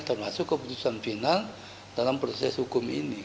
termasuk keputusan final dalam proses hukum ini